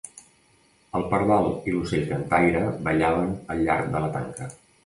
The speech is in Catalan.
El pardal i l'ocell cantaire ballaven al llarg de la tanca.